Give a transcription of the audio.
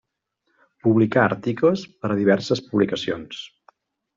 Publicà articles per a diverses publicacions.